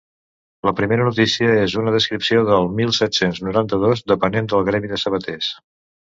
La primera notícia és una descripció del mil set-cents noranta-dos, depenent del gremi de sabaters.